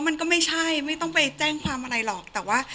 มันก็ไม่ใช่ไม่ต้องไปแจ้งความอะไรหรอกแต่ว่า